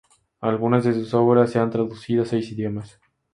Algunas de sus obras se han traducido a seis idiomas.